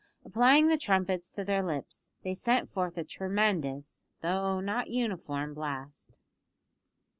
Applying the trumpets to their lips, they sent forth a tremendous, though not uniform, blast.